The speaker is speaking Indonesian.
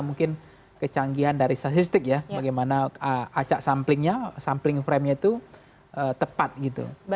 mungkin kecanggihan dari statistik ya bagaimana acak samplingnya sampling frame nya itu tepat gitu